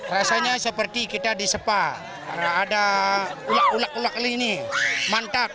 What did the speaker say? rasanya seperti kita di sepa karena ada ulak ulak ulak kali ini mantap